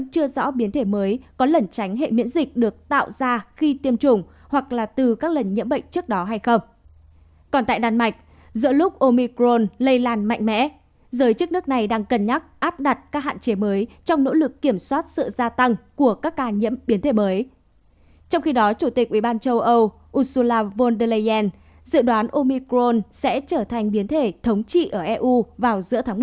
trong khi đó chủ tịch ubnd châu âu ursula von der leyen dự đoán omicron sẽ trở thành biến thể thống trị ở eu vào giữa tháng một